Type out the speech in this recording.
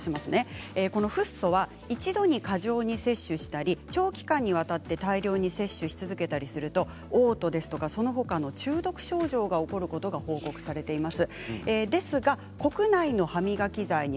フッ素は一度に過剰に摂取したり長期間にわたって摂取をするとおう吐やそのほかの中毒症状が起こることが報告されています。